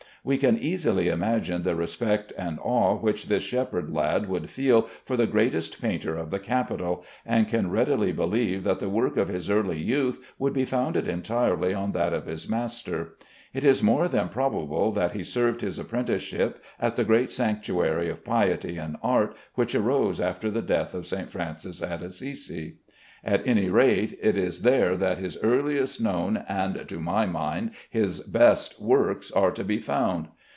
We can easily imagine the respect and awe which this shepherd lad would feel for the greatest painter of the capital, and can readily believe that the work of his early youth would be founded entirely on that of his master. It is more than probable that he served his apprenticeship at the great sanctuary of piety and art which arose after the death of St. Francis at Assisi. At any rate it is there that his earliest known, and to my mind his best, works are to be found.